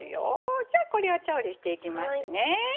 じゃこれを調理していきますね。